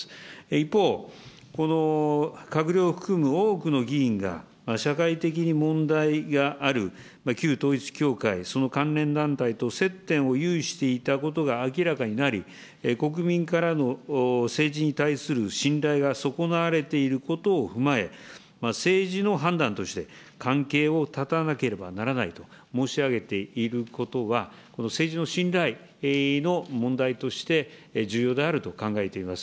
一方、この閣僚を含む多くの議員が社会的に問題がある旧統一教会、その関連団体と接点を有していたことが明らかになり、国民からの政治に対する信頼が損なわれていることを踏まえ、政治の判断として、関係を断たなければならないと申し上げていることは、政治の信頼の問題として、重要であると考えています。